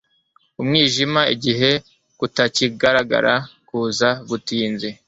UMWIJIMA igihe kutakigaragara kuza gutinze